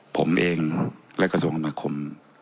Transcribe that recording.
ผมเองและกระทรวงคำนาคม